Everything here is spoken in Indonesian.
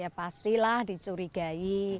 ya pastilah dicurigai